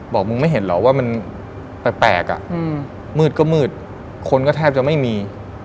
บอกมึงไม่เห็นเหรอว่ามันแปลกอ่ะมืดก็มืดคนก็แทบจะไม่มี